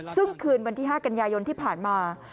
ซึ่งคืนวันที่๕กันยายนที่ผ่านมา